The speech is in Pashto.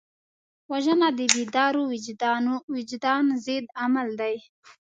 وژنه د بیدار وجدان ضد عمل دی